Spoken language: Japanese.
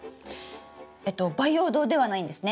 えっと培養土ではないんですね。